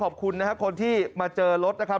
ขอบคุณนะครับคนที่มาเจอรถนะครับ